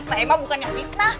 saya mah bukannya fitnah